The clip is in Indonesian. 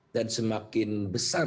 dan semakin besar